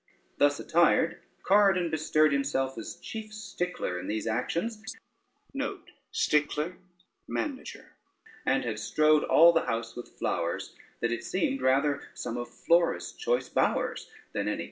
Thus attired, Corydon bestirred himself as chief stickler in these actions, and had strowed all the house with flowers, that it seemed rather some of Flora's choice bowers than any country cottage.